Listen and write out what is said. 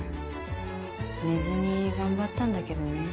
寝ずに頑張ったんだけどね。